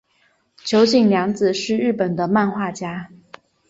九井谅子是日本的漫画家。